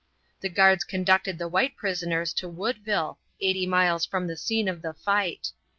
The guards conducted the white prisoners to Woodville, eighty miles from the scene of the fight.